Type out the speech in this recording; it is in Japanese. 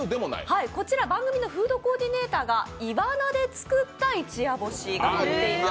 こちら、番組のフードコーディネーターがいわなで作った一夜干しです。